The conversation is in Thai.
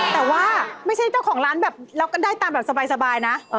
แต่ว่าไม่ใช่เจ้าของร้านแบบเราก็ได้ตามแบบสบายนะ